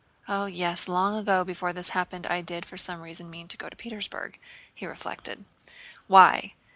"Oh, yes, long ago before this happened I did for some reason mean to go to Petersburg," he reflected. "Why?